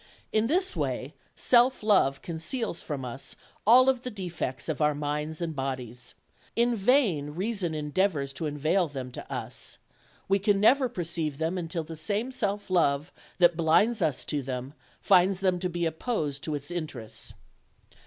In this way self love conceals from us all the defects of our minds and bodies. In vain reason en deavors to unveil them to us: we can never perceive them until the same self love that blinds us to them finds them to be opposed to its interests."